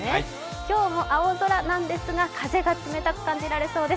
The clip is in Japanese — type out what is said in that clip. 今日も青空なんですが、風が冷たく感じられそうです。